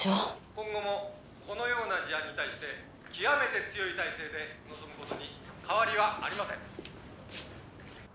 「今後もこのような事案に対して極めて強い態勢で臨む事に変わりはありません」